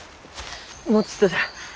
もうちっとじゃ。